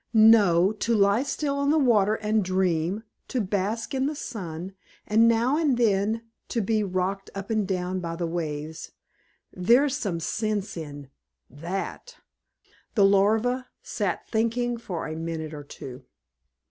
No; to lie still on the water and dream, to bask in the sun, and now and then to be rocked up and down by the waves there's some sense in that!" The Larva sat thinking for a minute or two.